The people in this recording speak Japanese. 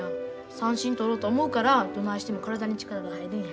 三振取ろうと思うからどないしても体に力が入るんや。